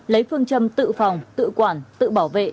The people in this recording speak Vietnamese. lấy phương châm tự phòng tự quản tự bảo vệ